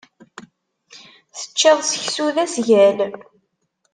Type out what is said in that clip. Teččiḍ seksu d asgal.